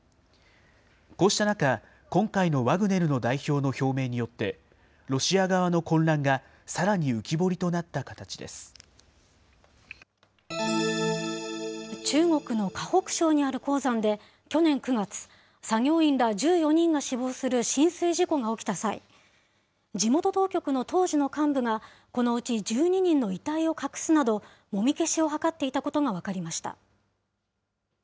こうした中、今回のワグネルの代表の表明によって、ロシア側の混乱がさらに浮き彫りとなった形で中国の河北省にある鉱山で、去年９月、作業員ら１４人が死亡する浸水事故が起きた際、地元当局の当時の幹部が、このうち１２人の遺体を隠すなど、もみ消しを図っていたことが分かりました。